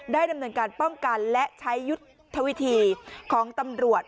ดำเนินการป้องกันและใช้ยุทธวิธีของตำรวจ